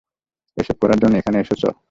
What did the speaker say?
এসব করার জন্য এখানে এসেছ?